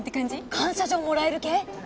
感謝状もらえる系？